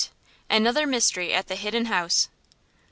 ANOTHER MYSTERY AT THE HIDDEN HOUSE.